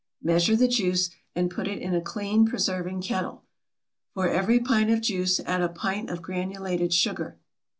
Measure the juice, and put it in a clean preserving kettle. For every pint of juice add a pint of granulated sugar.